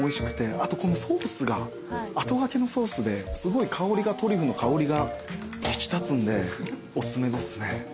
あとこのソースが後がけのソースですごいトリュフの香りが引き立つんでおすすめですね。